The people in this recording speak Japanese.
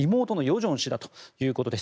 正氏だということです。